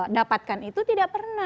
dapatkan itu tidak pernah